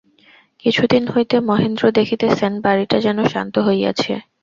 কিছুদিন হইতে মহেন্দ্র দেখিতেছেন বাড়িটা যেন শান্ত হইয়াছে।